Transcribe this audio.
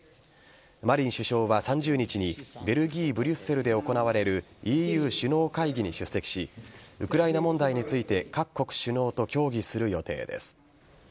マリン首相は３０日にベルギーブリュッセルで行われるＥＵ首脳会議に出席しウクライナ問題について各国首脳と協議する予定です。